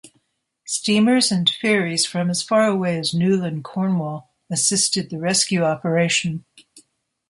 Steamers and ferries from as far away as Newlyn, Cornwall, assisted the rescue operation.